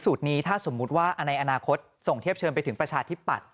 นี้ถ้าสมมุติว่าในอนาคตส่งเทียบเชิญไปถึงประชาธิปัตย